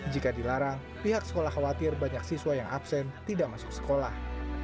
jika dilarang pihak sekolah khawatir banyak siswa yang absen tidak masuk sekolah